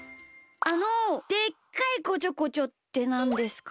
あの「でっかいこちょこちょ」ってなんですか？